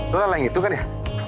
gue lelah yang itu kan ya